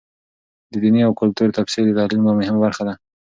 د دیني او کلتور تفسیر د تحلیل یوه مهمه برخه ده.